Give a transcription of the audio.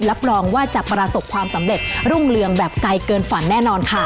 รับรองว่าจะประสบความสำเร็จรุ่งเรืองแบบไกลเกินฝันแน่นอนค่ะ